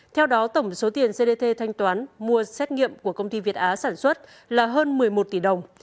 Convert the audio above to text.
theo đó tổng số tiền cdc thanh toán mua xét nghiệm của công ty việt á sản xuất là hơn một mươi một tỷ đồng